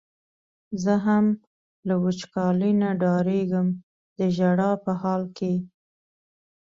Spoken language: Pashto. زه هم له وچکالۍ نه ډارېږم د ژړا په حال کې.